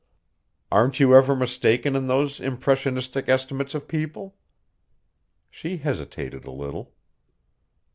"Aren't you ever mistaken in those impressionistic estimates of people?" She hesitated a little.